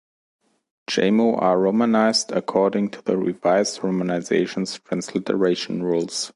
Jamo are romanized according to the Revised Romanization's transliteration rules.